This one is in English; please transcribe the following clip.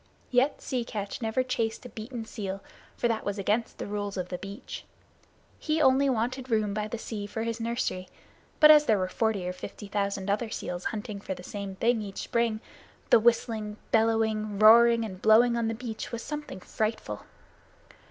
Yet Sea Catch never chased a beaten seal, for that was against the Rules of the Beach. He only wanted room by the sea for his nursery. But as there were forty or fifty thousand other seals hunting for the same thing each spring, the whistling, bellowing, roaring, and blowing on the beach was something frightful.